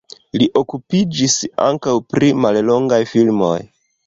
Li okupiĝis ankaŭ pri mallongaj filmoj.